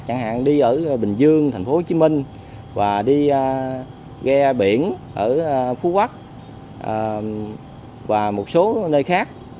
chẳng hạn đi ở bình dương thành phố hồ chí minh và đi ghe biển ở phú quắc và một số nơi khác